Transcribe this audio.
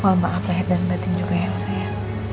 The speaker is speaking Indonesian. mohon maaf lahir batin juga ya sayang